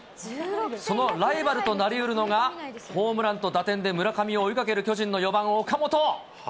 そのライバルとなりうるのが、ホームランと打点で村上を追いかける巨人の４番岡本。